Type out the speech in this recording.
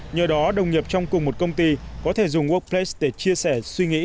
nhờ đó đồng nghiệp trong cùng một công ty có thể dùng workplace để chia sẻ suy nghĩ